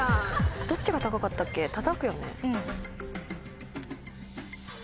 どっちが高かったっけたたくよね。